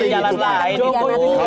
yang menafsirkan jalan lain